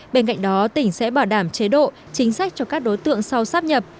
bên cạnh đó tỉnh sẽ bảo đảm chế độ chính sách cho các đối tượng sau sắp nhập